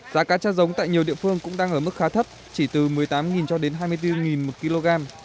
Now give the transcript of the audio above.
giá cá cha giống tại nhiều địa phương cũng đang ở mức khá thấp chỉ từ một mươi tám cho đến hai mươi bốn đồng một kg